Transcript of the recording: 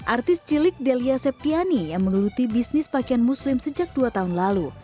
artis cilik delia septiani yang mengeluti bisnis pakaian muslim sejak dua tahun lalu